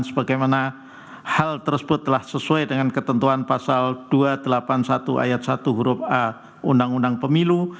sebagaimana hal tersebut telah sesuai dengan ketentuan pasal dua ratus delapan puluh satu ayat satu huruf a undang undang pemilu